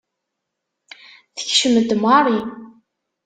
Tekcem-d Mary.